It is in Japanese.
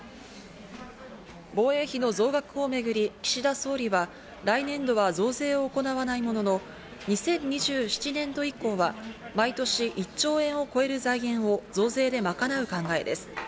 防衛費の増額をめぐり、岸田総理は来年度は増税を行わないものの、２０２７年度以降は毎年１兆円を超える財源を増税で賄う考えです。